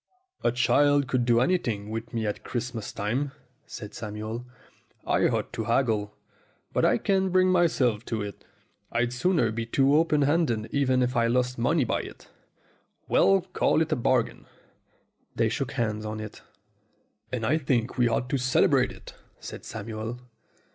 A MODEL MAN 37 "A child could do anything with me at Christmas time," said Samuel. "I ought to haggle, but I can't bring myself to it. I'd sooner be too open handed even if I lost money by it. We'll call it a bargain." They shook hands on it. "And I think we ought to celebrate it," said Samuel.